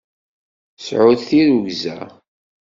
Sɛut tirrugza!